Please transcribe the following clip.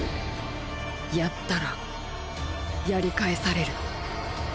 やったらやり返される。